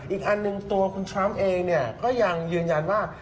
อีกอันหนึ่งตัวคุณทรัมป์เองเนี่ยก็ยังยืนยันว่า